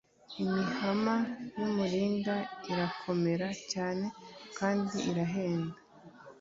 imihama y umuringa irakomera cyane kandi irahenda